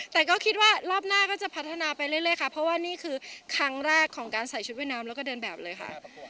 แต่ก็คิดว่ารอบหน้าก็จะพัฒนาไปเรื่อยค่ะเพราะว่านี่คือครั้งแรกของการใส่ชุดว่ายน้ำแล้วก็เดินแบบเลยค่ะ